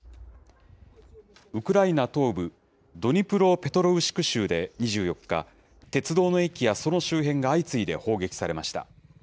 ウクライナ東部、ドニプロペトロウシク州で２４日、鉄道の駅やその周辺が相次いで砲撃されました。